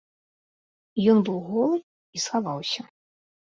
Ён быў голы і схаваўся.